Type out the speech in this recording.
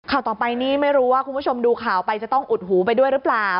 ข่าวต่อไปนี่ไม่รู้ว่าคุณผู้ชมดูข่าวไปจะต้องอุดหูไปด้วยหรือเปล่า